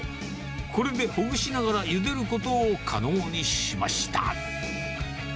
これでほぐしながらゆでることを可能にしました。